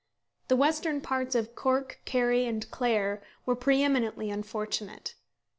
The western parts of Cork, Kerry, and Clare were pre eminently unfortunate.